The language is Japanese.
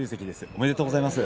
ありがとうございます。